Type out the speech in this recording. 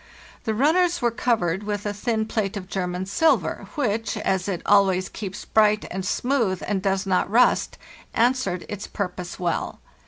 The runners were covered with a thin plate of German silver, which, as it always keeps bright and smooth and does not rust, answered its purpose well.